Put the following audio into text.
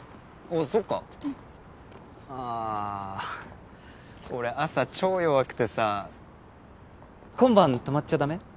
おおっそっかあ俺朝超弱くてさ今晩泊まっちゃダメ？